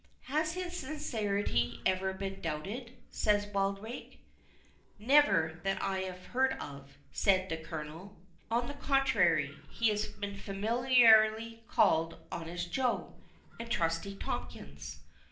"Has his sincerity ever been doubted?" said Wildrake. "Never, that I heard of," said the Colonel; "on the contrary, he has been familiarly called Honest Joe, and Trusty Tomkins.